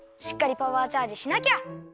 しっかりパワーチャージしなきゃ。